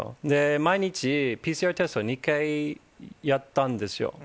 毎日ＰＣＲテスト、２回やったんですよ。